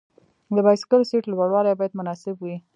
د بایسکل سیټ لوړوالی باید مناسب وي.